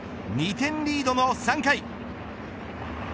２点リードの３回。